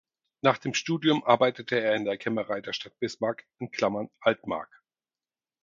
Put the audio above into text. Nach dem Studium arbeitete er in der Kämmerei der Stadt Bismark (Altmark).